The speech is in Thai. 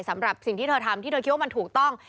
สำหรับสิ่งที่เธอทำที่เธอคิดว่ามันถูกต้อง